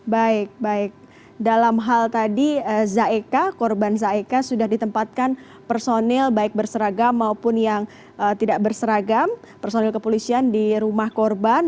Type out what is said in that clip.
baik baik dalam hal tadi zaeka korban zaeka sudah ditempatkan personil baik berseragam maupun yang tidak berseragam personil kepolisian di rumah korban